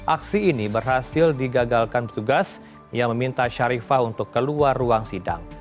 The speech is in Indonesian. aksi ini berhasil digagalkan petugas yang meminta sharifah untuk keluar ruang sidang